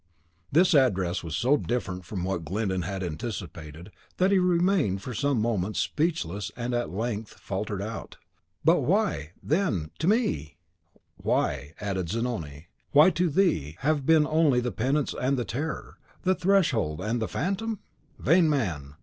This address was so different from what Glyndon had anticipated, that he remained for some moments speechless, and at length faltered out, "But why, then, to me " "Why," added Zanoni, "why to thee have been only the penance and the terror, the Threshold and the Phantom? Vain man!